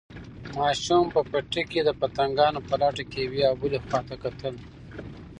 ماشوم په پټي کې د پتنګانو په لټه کې یوې او بلې خواته کتل.